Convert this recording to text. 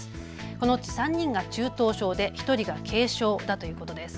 このうち３人が中等症で１人が軽症だということです。